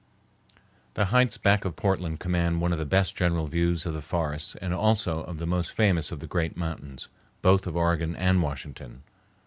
The heights back of Portland command one of the best general views of the forests and also of the most famous of the great mountains both of Oregon and Washington.